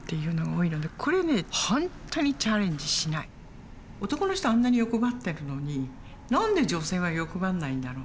これねほんとに男の人はあんなに欲張ってるのに何で女性は欲張んないんだろうと。